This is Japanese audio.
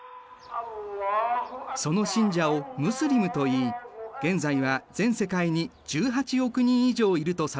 その信者をムスリムといい現在は全世界に１８億人以上いるとされている。